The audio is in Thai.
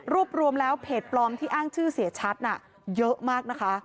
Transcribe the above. รวมแล้วเพจปลอมที่อ้างชื่อเสียชัดน่ะเยอะมากนะคะ